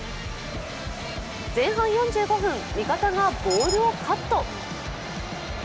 前半４５分、味方がボールをカット。